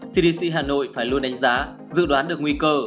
cdc hà nội phải luôn đánh giá dự đoán được nguy cơ